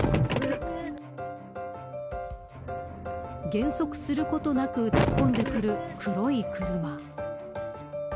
減速することなく突っ込んでくる黒い車。